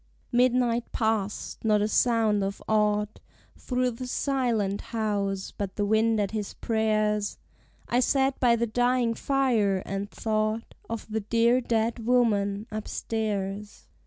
Midnight past! Not a sound of aught Through the silent house, but the wind at his prayers. I sat by the dying fire, and thought Of the dear dead woman upstairs.